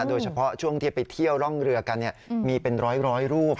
โดยเฉพาะช่วงที่ไปเที่ยวร่องเรือกันมีเป็นร้อยรูป